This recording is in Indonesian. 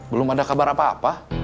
belum ada kabar apa apa